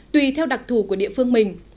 tùy theo đặc thù của địa phương mình